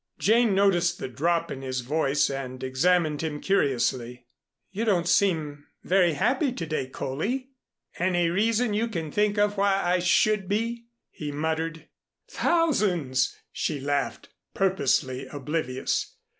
Jane noticed the drop in his voice and examined him curiously. "You don't seem very happy to day, Coley." "Any reason you can think of why I should be?" he muttered. "Thousands," she laughed, purposely oblivious.